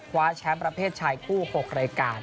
แชมป์ประเภทชายคู่๖รายการ